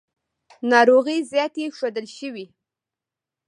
ناروغۍ زیاتې ښودل شوې.